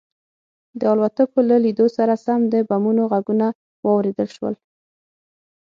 د الوتکو له لیدو سره سم د بمونو غږونه واورېدل شول